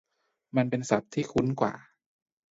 มันเป็นศัพท์ที่คุ้นกว่า